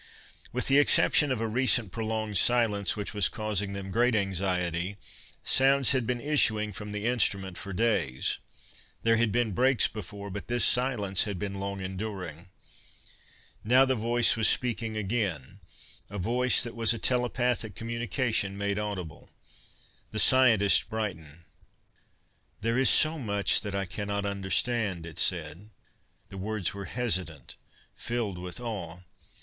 With the exception of a recent prolonged silence, which was causing them great anxiety, sounds had been issuing from the instrument for days. There had been breaks before, but this silence had been long enduring. Now the voice was speaking again; a voice that was a telepathic communication made audible. The scientists brightened. "There is much that I cannot understand," it said. The words were hesitant, filled with awe.